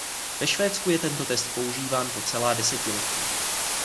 Ve Švédsku je tento test používán po celá desetiletí.